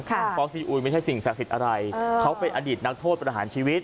เพราะซีอุยไม่ใช่สิ่งศักดิ์สิทธิ์อะไรเขาเป็นอดีตนักโทษประหารชีวิต